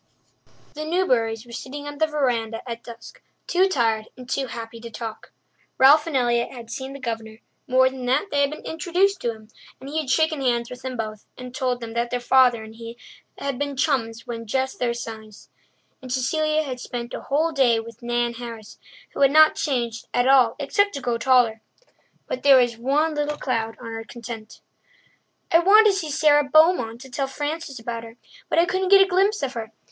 The Newburys were sitting on the verandah at dusk, too tired and too happy to talk. Ralph and Elliott had seen the Governor; more than that, they had been introduced to him, and he had shaken hands with them both and told them that their father and he had been chums when just their size. And Cecilia had spent a whole day with Nan Harris, who had not changed at all except to grow taller. But there was one little cloud on her content. "I wanted to see Sara Beaumont to tell Frances about her, but I couldn't get a glimpse of her.